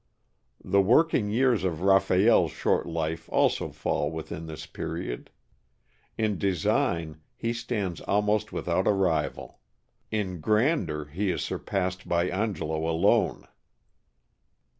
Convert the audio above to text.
The working years of Raphael's short life also fall within this period. In design he stands almost without a rival; in grandeur he is surpassed by Angelo alone.